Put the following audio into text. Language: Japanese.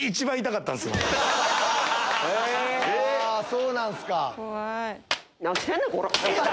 そうなんすか。